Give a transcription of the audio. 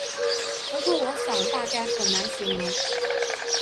不过我想大概很难形容